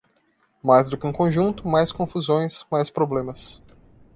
Mais do que um conjunto, mais confusões, mais problemas.